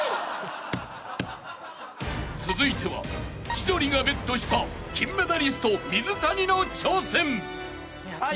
［続いては千鳥がベットした金メダリスト水谷の挑戦］